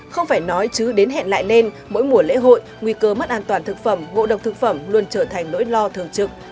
không phải nói chứ đến hẹn lại nên mỗi mùa lễ hội nguy cơ mất an toàn thực phẩm ngộ độc thực phẩm luôn trở thành nỗi lo thường trực